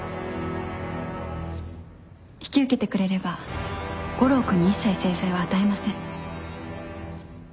引き受けてくれれば悟郎君に一切制裁は与えません。